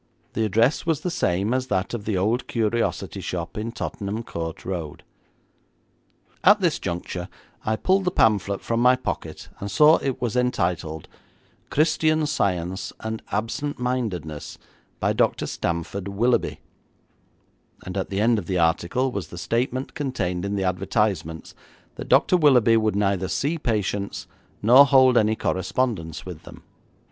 The address was the same as that of the old curiosity shop in Tottenham Court Road. At this juncture I pulled the pamphlet from my pocket, and saw it was entitled Christian Science and Absent Mindedness, by Dr. Stamford Willoughby, and at the end of the article was the statement contained in the advertisements, that Dr Willoughby would neither see patients nor hold any correspondence with them.